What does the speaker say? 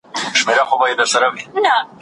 كوچۍ ليلا نور د ناور سره ياري شروع كـــړه!